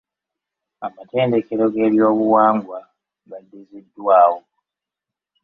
Amatendekero g'ebyobuwangwa gaddiziddwawo.